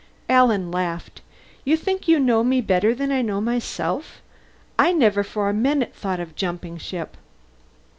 Alan laughed. "You think you know me better than I know myself. I never for a minute thought of jumping ship."